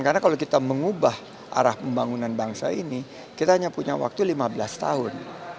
karena kalau kita mengubah arah pembangunan bangsa ini kita hanya punya waktu lima belas tahun